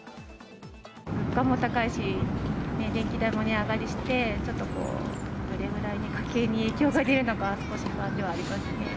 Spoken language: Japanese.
物価も高いし、電気代も値上がりして、ちょっとどれぐらい家計に影響が出るのか、少し不安ではあります